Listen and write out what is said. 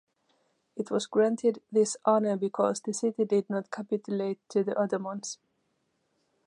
It was granted this honor because the city did not capitulate to the Ottomans.